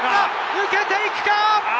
抜けていくか？